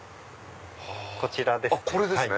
こちらですね。